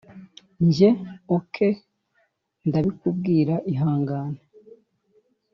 njye: ok, ndabikubwira ihangane